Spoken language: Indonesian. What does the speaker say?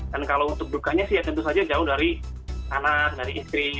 dan kalau untuk dukanya sih tentu saja jauh dari anak dari istri